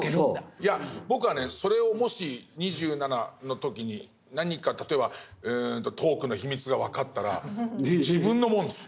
いや僕はねそれをもし２７の時に何か例えばトークの秘密が分かったら自分のもんです。